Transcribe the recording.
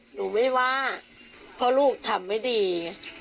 หนูไม่ว่าเพราะลูกทำไม่ดี